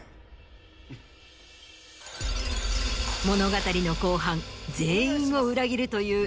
物語の後半全員を裏切るという。